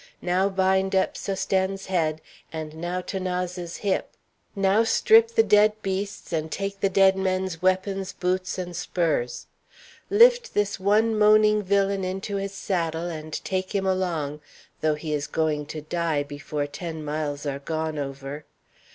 Now bind up Sosthène's head, and now 'Thanase's hip. Now strip the dead beasts, and take the dead men's weapons, boots, and spurs. Lift this one moaning villain into his saddle and take him along, though he is going to die before ten miles are gone over.